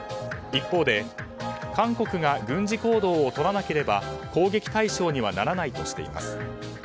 一方で、韓国が軍事行動をとらなければ攻撃対象にはならないとしています。